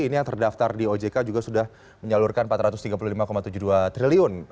ini yang terdaftar di ojk juga sudah menyalurkan rp empat ratus tiga puluh lima tujuh puluh dua triliun